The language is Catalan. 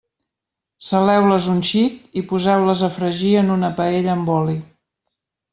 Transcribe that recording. Saleu-les un xic i poseu-les a fregir en una paella amb oli.